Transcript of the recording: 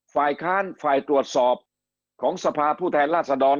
ฝ่ายค้านฝ่ายตรวจสอบของสภาผู้แทนราษฎร